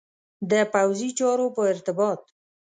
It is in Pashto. د پوځي چارو په ارتباط.